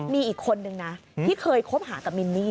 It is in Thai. มีอีกคนนึงนะที่เคยคบหากับมินนี่